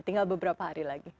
tinggal beberapa hari lagi